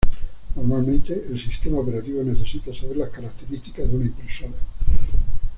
Normalmente, el sistema operativo necesita saber las características de una impresora.